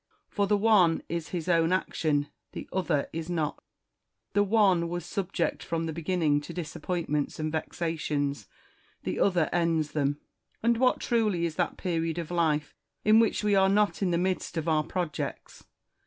For the one is his own action, the other is not ; the one was subject from the beginning to disappointments and vexations, the other ends them. And what truly is that period of life in which we are not in the midst of our pro jects